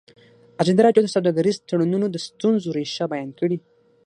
ازادي راډیو د سوداګریز تړونونه د ستونزو رېښه بیان کړې.